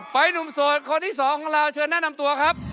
หนุ่มโสดคนที่สองของเราเชิญแนะนำตัวครับ